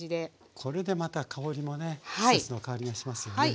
これでまた香りもね季節の香りがしますよね。